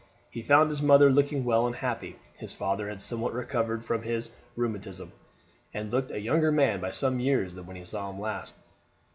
He found his mother looking well and happy; his father had somewhat recovered from his rheumatism, and looked a younger man by some years than when he saw him last.